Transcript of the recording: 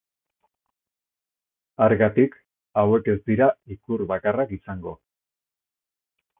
Hargatik, hauek ez dira ikur bakarrak izango.